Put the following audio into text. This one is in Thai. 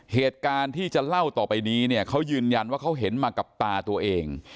เหตุการณ์ที่จะเล่าต่อไปนี้เนี่ยเขายืนยันว่าเขาเห็นมากับตาตัวเอง